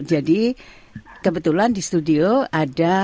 jadi kebetulan di studio ada